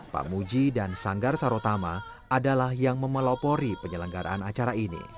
pak muji dan sanggar sarotama adalah yang memelopori penyelenggaraan acara ini